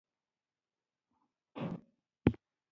لیکانی يا قلم ټولو افغانانو ته باید ورکړل شي.